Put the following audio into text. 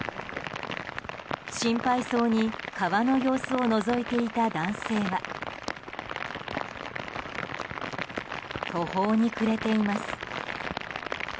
心配そうに川の様子をのぞいていた男性は途方に暮れています。